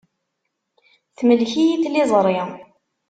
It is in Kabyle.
Temlek-iyi tliẓri.